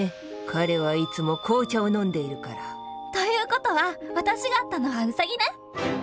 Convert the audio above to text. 彼はいつも紅茶を飲んでいるから。という事は私が会ったのはウサギね。